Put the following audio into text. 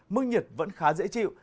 mức nhiệt vẫn khá dễ chịu